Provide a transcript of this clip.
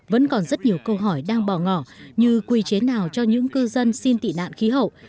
vẫn còn rất nhiều câu hỏi đang bỏ ngỏ như quy chế nào cho những cư dân xin tị nạn khí hậu